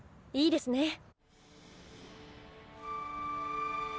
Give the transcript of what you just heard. いいですね。